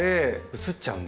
移っちゃうんだ。